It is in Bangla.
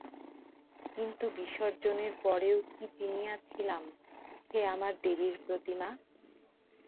কিন্তু বিসর্জনের পরেও কি চিনিয়াছিলাম, সে আমার দেবীর প্রতিমা?